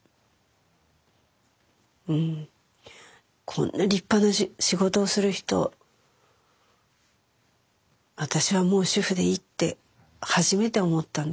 こんな立派な仕事をする人私はもう主婦でいいって初めて思ったんですよ。